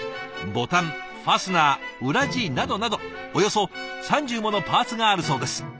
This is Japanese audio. ボタンファスナー裏地などなどおよそ３０ものパーツがあるそうです。